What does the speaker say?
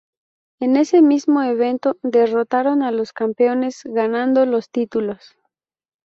En ese mismo evento, derrotaron a los campeones, ganando los títulos.